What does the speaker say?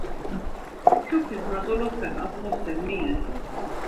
Kyupis na doloxen ağnose mi ren?